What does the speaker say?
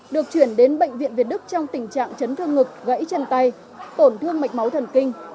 được chuyển đến bệnh viện việt đức trong tình trạng chấn thương ngực gãy chân tay tổn thương mạch máu thần kinh